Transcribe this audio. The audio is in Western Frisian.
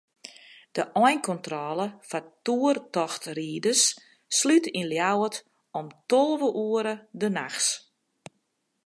De einkontrôle foar toertochtriders slút yn Ljouwert om tolve oere de nachts.